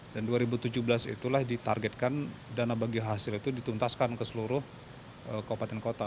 dan dua ribu tujuh belas itulah ditargetkan dana bagi hasil itu dituntaskan ke seluruh keopatan kota